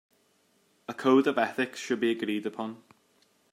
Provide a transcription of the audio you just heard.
A code of ethics should be agreed upon.